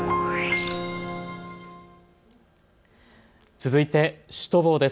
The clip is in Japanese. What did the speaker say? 続いてシュトボーです。